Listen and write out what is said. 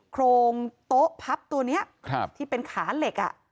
โครงโต๊ะพับตัวเนี้ยครับที่เป็นขาเหล็กอ่ะ